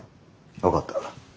分かった。